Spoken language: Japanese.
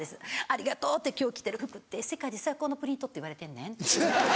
「ありがとう今日着てる服って世界で最高のプリントっていわれてんねん」。